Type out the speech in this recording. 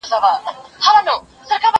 کاڼی به پوست نه سي، دښمن به دوست نه سي.